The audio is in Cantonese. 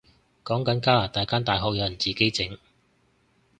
講緊加拿大間大學有人自己整